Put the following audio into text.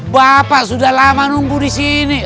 bapak sudah lama nunggu disini